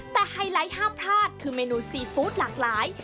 แต่ไฮไลท์ห้ามพลาดคือเมนูซีฟู้ดหลากหลาย